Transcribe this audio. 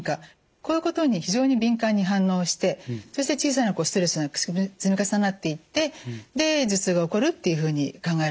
こういうことに非常に敏感に反応してそして小さなストレスが積み重なっていってで頭痛が起こるっていうふうに考えられるんですね。